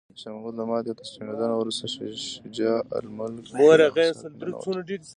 د شاه محمود له ماتې او تسلیمیدو نه وروسته شجاع الملک بالاحصار ته ننوت.